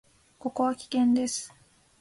ここは危険です。